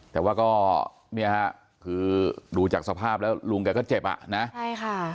แต่ว่าก็เนี่ยฮะคือดูจากสภาพแล้วลุงแกก็เจ็บอ่ะนะใช่ค่ะ